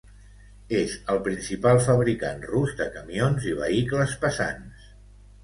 És el principal fabricant rus de camions i vehicles pesants.